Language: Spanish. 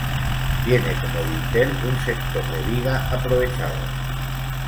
Tiene como dintel un sector de viga aprovechado.